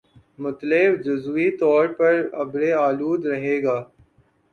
مطلع جزوی طور پر ابر آلود رہے گا